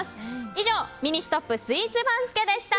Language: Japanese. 以上、ミニストップスイーツ番付でした。